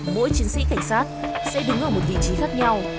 mỗi chiến sĩ cảnh sát sẽ đứng ở một vị trí khác nhau